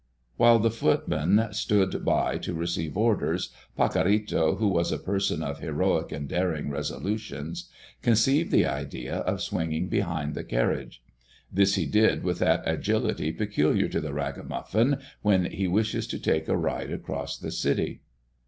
While the footman stood by to receive orders, Pacorrito, who was a person of heroic and daring resolutions, conceived the idea of swinging behind the carriage. This he did with that agility peculiar to the ragamuffin when he wishes to take a ride across the city.